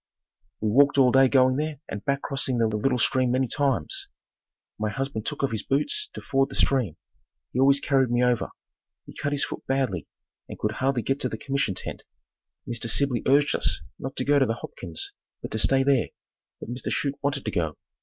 We walked all day going there and back crossing the little stream many times. My husband took off his boots to ford the stream. He always carried me over. He cut his foot badly and could hardly get to the commission tent. Mr. Sibley urged us not to go to the Hopkins', but to stay there, but Mr. Chute wanted to go.